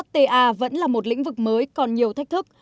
fta vẫn là một lĩnh vực mới còn nhiều thách thức